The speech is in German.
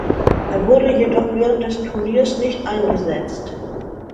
Er wurde jedoch während des Turniers nicht eingesetzt.